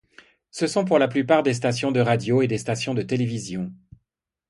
Ce sont pour la plupart des stations de radio et des stations de télévision.